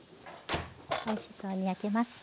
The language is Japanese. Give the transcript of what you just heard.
おいしそうに焼けました。